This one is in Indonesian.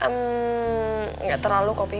enggak terlalu kok pi